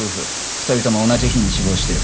２人とも同じ日に死亡してる。